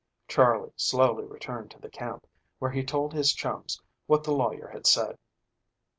Charley slowly returned to the camp, where he told his chums what the lawyer had said.